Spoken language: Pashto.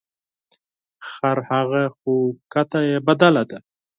خرهغه خو کته یې بدله ده .